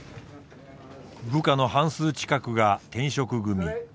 部下の半数近くが転職組。